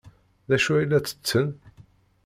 D acu ay la ttetten?